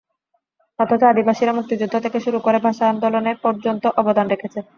অথচ আদিবাসীরা মুক্তিযুদ্ধ থেকে শুরু করে ভাষা আন্দোলনে পর্যন্ত অবদান রেখেছে।